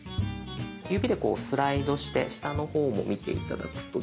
指でスライドして下の方も見て頂くとですね